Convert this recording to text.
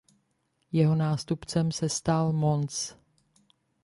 Jeho nástupcem se stal Mons.